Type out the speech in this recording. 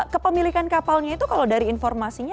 kepemilikan kapalnya itu kalau dari informasinya